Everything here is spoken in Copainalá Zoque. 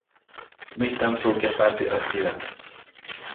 Mijtaʼm msuʼkyajpaʼtsi ʼäjtsidaʼm.